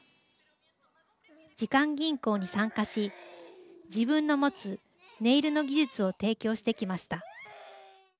時間銀行に参加し自分の持つネイルの技術を提供してきました。